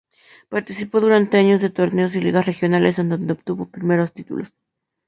Participó durante años de torneos y ligas regionales en donde obtuvo sus primeros títulos.